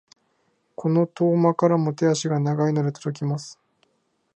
この遠間からも手足が長いので届きます。